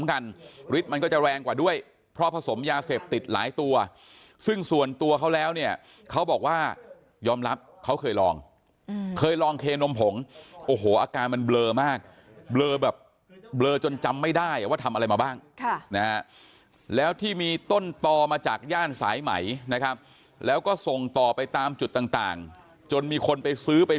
หายไปไหนก็ไม่รู้ว่าหายไปไหนก็ไม่รู้ว่าหายไปไหนก็ไม่รู้ว่าหายไปไหนก็ไม่รู้ว่าหายไปไหนก็ไม่รู้ว่าหายไปไหนก็ไม่รู้ว่าหายไปไหนก็ไม่รู้ว่าหายไปไหนก็ไม่รู้ว่าหายไปไหนก็ไม่รู้ว่าหายไปไหนก็ไม่รู้ว่า